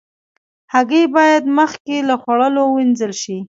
هګۍ باید مخکې له خوړلو وینځل شي.